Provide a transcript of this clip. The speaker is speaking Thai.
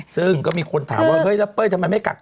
ซึ่งก็มีคนถามว่าเฮ้ยแล้วเป้ยทำไมไม่กัก